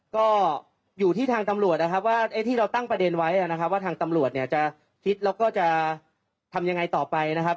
ก็อยู่ที่ทางตำรวจนะครับว่าที่เราตั้งประเด็นไว้นะครับว่าทางตำรวจเนี่ยจะคิดแล้วก็จะทำยังไงต่อไปนะครับ